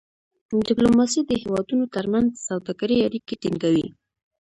ډيپلوماسي د هېوادونو ترمنځ د سوداګری اړیکې ټینګوي.